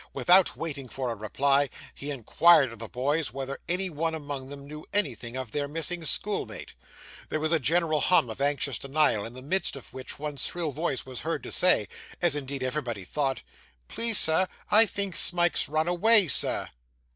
Without waiting for a reply, he inquired of the boys whether any one among them knew anything of their missing schoolmate. There was a general hum of anxious denial, in the midst of which, one shrill voice was heard to say (as, indeed, everybody thought): 'Please, sir, I think Smike's run away, sir.